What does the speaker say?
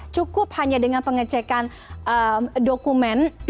cukup hanya dengan pengecekan dokumen